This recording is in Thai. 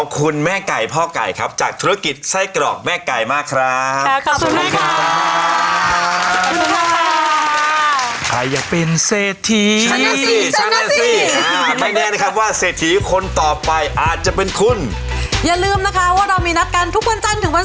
คุณแม่ไก่พ่อไก่ครับจากธุรกิจไส้กรอกแม่ไก่มากครับ